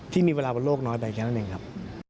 ที่มีเวลาบนโลกน้อยไปแค่นั้นเองครับ